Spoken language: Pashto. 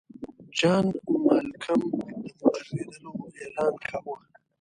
جان مالکم د مقررېدلو اعلان کاوه.